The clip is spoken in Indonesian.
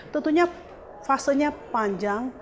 tentunya fasenya panjang